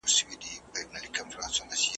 د واسکټ شیطانان ,